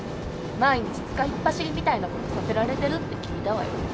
毎日使いっ走りみたいなことさせられてるって聞いたわよ。